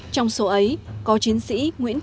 trong số ấy có chiến sĩ nguyễn đức